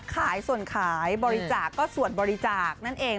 ขายส่วนขายบริจาคก็ส่วนบริจาคนั่นเอง